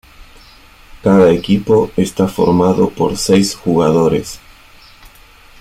Cada equipo está formado por seis jugadores.